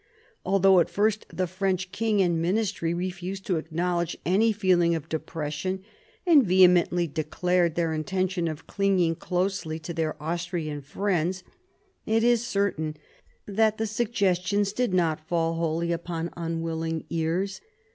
Although at first the French king and ministry refused to acknowledge any feeling of depression, and vehemently declared their intention of clinging closely to their Austrian friends, it is certain that the suggestions did not fall wholly upon unwilling ears.